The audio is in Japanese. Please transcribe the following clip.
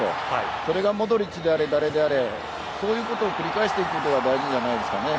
それがモドリッチであれ誰であれそういうことを繰り返していくことが大事じゃないですかね。